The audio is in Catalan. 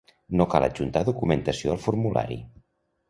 No cal adjuntar documentació al formulari.